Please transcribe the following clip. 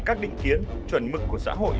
các định kiến chuẩn mực của xã hội